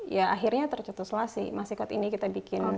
ya akhirnya tercetuslah si masikot ini kita bikin